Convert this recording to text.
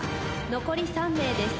残り３名です。